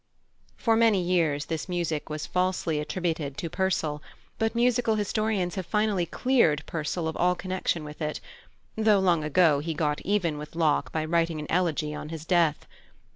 For many years this music was falsely attributed to Purcell, but musical historians have finally cleared Purcell of all connection with it; though long ago he got even with Locke by writing an elegy on his death.